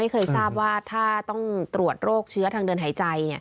เคยทราบว่าถ้าต้องตรวจโรคเชื้อทางเดินหายใจ